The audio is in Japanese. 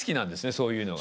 そういうのが。